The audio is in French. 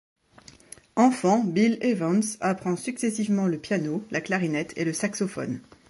Enfant, Bill Evans apprend successivement le piano, la clarinette et le saxophone.